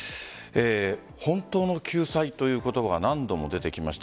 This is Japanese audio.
本当の救済という言葉が何度も出てきました。